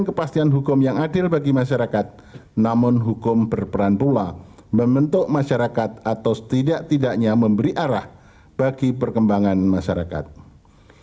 kepastian hukum yang adil bagi masyarakat namun hukum berperan pula membentuk masyarakat atau setidak tidaknya memiliki kepentingan yang berat dan berkembang ke dalam perkembangan teknologi yang tersebut